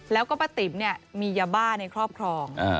แล้วก็ป้าติ๋มมียาบ้าในครอบครอง